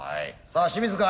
さあ清水君